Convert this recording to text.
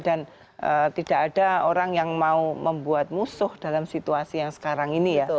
dan tidak ada orang yang mau membuat musuh dalam situasi yang sekarang ini ya